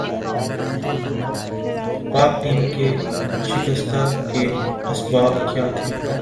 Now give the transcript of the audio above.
پاک ٹیم کے شکستہ کے اسباب کیا تھے